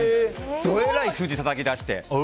どえらい数字をたたき出して。